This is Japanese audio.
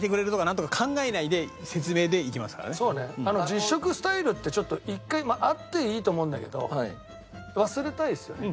実食スタイルってちょっと一回あっていいと思うんだけど忘れたいですよね。